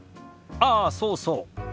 ああそうそう。